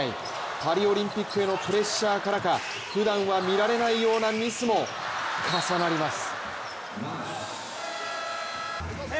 パリオリンピックへのプレッシャーからか、ふだんは見られないようなミスも重なります。